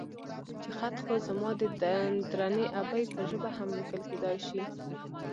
چې خط خو زما د درنې ابۍ په ژبه هم ليکل کېدای شي.